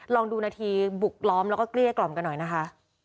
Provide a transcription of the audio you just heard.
ลองดูหน้าที่บุกล้อมและกลี้กล่อมกันหน่อยนะคะ